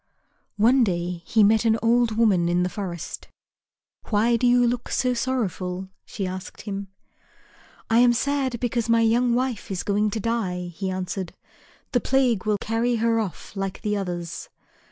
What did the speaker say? One day he met an old woman in the forest. "Why do you look so sorrowful?" she asked him. "I am sad because my young wife is going to die," he answered; "the plague will carry her off like the others."